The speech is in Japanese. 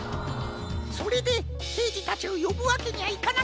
それでけいじたちをよぶわけにはいかなかったんじゃ。